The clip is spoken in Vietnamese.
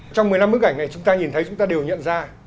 trong một mươi năm bức ảnh này chúng ta nhìn thấy chúng ta đều nhận ra